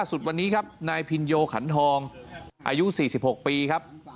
สุดวันนี้ครับนายพินโยขันทองอายุ๔๖ปีครับ